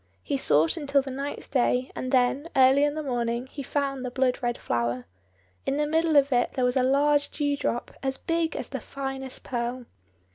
He sought until the ninth day, and then, early in the morning, he found the blood red flower. In the middle of it there was a large dew drop, as big as the finest pearl.